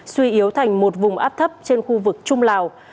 suy yếu thành một vùng áp thấp trên khu vực trung lào